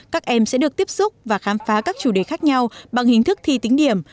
các em sẽ được tiếp xúc và khám phá các chủ đề khác nhau bằng hình thức thi tính điểm